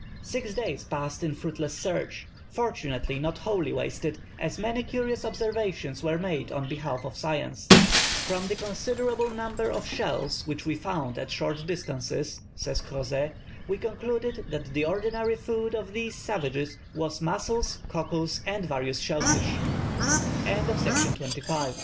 Six days passed in fruitless search; fortunately not wholly wasted, as many curious observations were made on behalf of science. "From the considerable number of shells which we found at short distances," says Crozet, "we concluded that the ordinary food of these savages was mussels, c